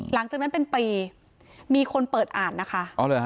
หลังจากนั้นเป็นปีมีคนเปิดอ่านนะคะ